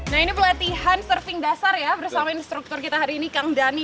nah ini pelatihan surfing dasar ya bersama instruktur kita hari ini kang dhani